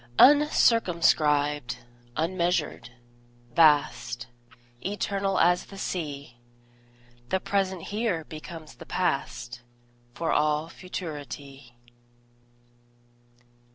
Uncircumscribed, unmeasured, vast, Eternal as the Sea, The present here becomes the past, For all futurity.